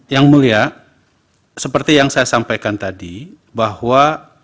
yang mulia seperti yang saya sampaikan tadi bahwa